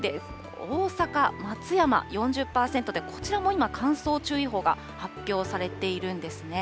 大阪、松山４０％で、こちらも今、乾燥注意報が発表されているんですね。